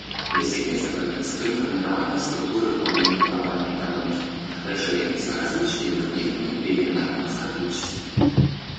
Достигается прогресс в реформировании структуры управления глобальной экономикой, расширяются различные механизмы регионального сотрудничества.